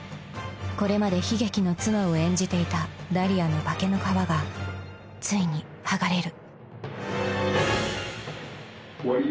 これまで悲劇の妻を演じていたダリアの化けの皮がついに剥がれる］